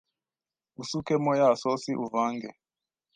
usukemo ya sosi uvange